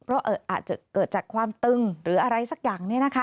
เพราะอาจจะเกิดจากความตึงหรืออะไรสักอย่าง